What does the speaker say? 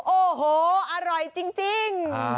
โอ้โหอร่อยจริง